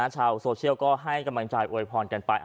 ชาวโซเชียลก็ให้กำลังใจอวยพรกันไป